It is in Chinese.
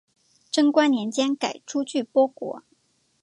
贞观年间改朱俱波国。